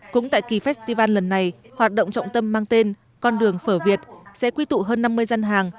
cũng tại kỳ festival lần này hoạt động trọng tâm mang tên con đường phở việt sẽ quy tụ hơn năm mươi gian hàng